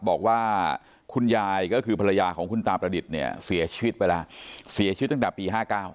บอกว่าคุณยายก็คือภรรยาของคุณตาประดิษฐ์เนี่ยเสียชีวิตไปแล้วเสียชีวิตตั้งแต่ปี๕๙